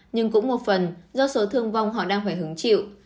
nhưng cũng một phần do số thương vong họ đang phải hứng chịu